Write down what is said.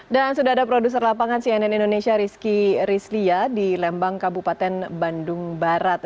sudah ada produser lapangan cnn indonesia rizky rizlia di lembang kabupaten bandung barat